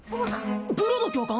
ブロド教官？